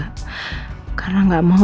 mbak mau tidurin anak anak dulu